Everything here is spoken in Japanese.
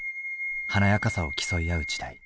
華やかさを競い合う時代。